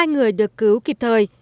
hai người được cứu kịp thời